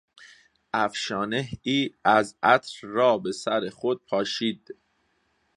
افشانهای از عطر را به سر خود پاشید.